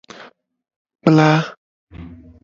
Kpla.